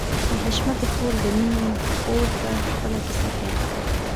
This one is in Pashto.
د حشمتي خور د مينې خور ته خپله کيسه پيل کړه.